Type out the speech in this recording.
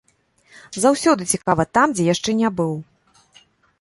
Заўсёды цікава там, дзе яшчэ не быў.